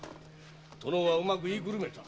殿はうまく言いくるめた。